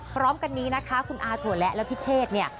พร้อมกันนี้นะคะคุณอาถั่วและและพิเชษเนี่ย